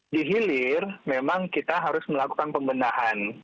di hilir memang kita harus melakukan pembenahan